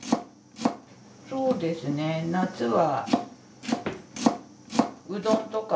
そうですね夏は。